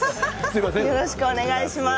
よろしくお願いします。